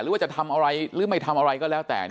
หรือว่าจะทำอะไรหรือไม่ทำอะไรก็แล้วแต่